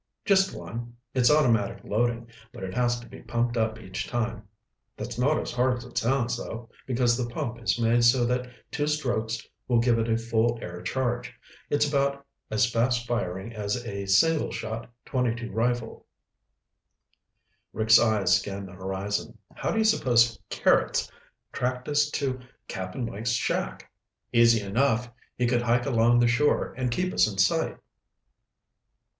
"Just one. It's automatic loading, but it has to be pumped up each time. That's not as hard as it sounds, though, because the pump is made so that two strokes will give it a full air charge. It's about as fast firing as a single shot .22 rifle." Rick's eyes scanned the horizon. "How do you suppose Carrots tracked us to Cap'n Mike's shack?" "Easy enough. He could hike along the shore and keep us in sight."